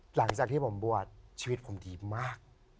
หลังจากที่ผมบวชชีวิตผมดีมาก